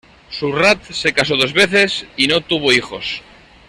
Surratt se casó dos veces, y no tuvo hijos.